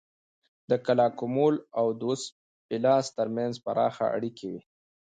د کلاکمول او دوس پیلاس ترمنځ پراخې اړیکې وې